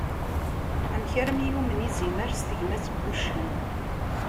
Amek armi yumen yizimer s tegmat n wuccen?